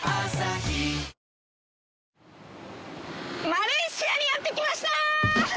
マレーシアにやって来ました！